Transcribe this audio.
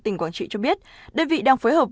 tỉnh quảng trị cho biết đơn vị đang phối hợp